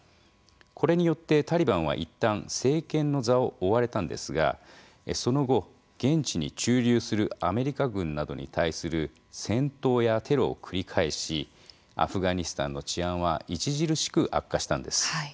これによってタリバンは一旦政権の座を追われたんですがその後現地に駐留するアメリカ軍などに対する戦闘やテロを繰り返しアフガニスタンの治安は著しく悪化したんです。